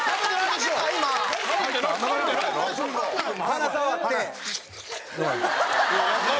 鼻触って。